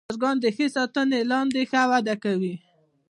چرګان د ښه ساتنې لاندې ښه وده کوي.